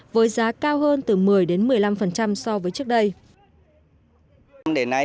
với giá cao hơn từ một mươi một mươi năm so với trước đây